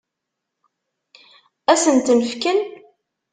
Ad sen-ten-fken?